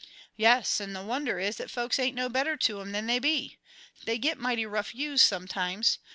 "Yes, 'nd the wonder is that folks ain't better to 'em than they be. They get mighty rough used some times.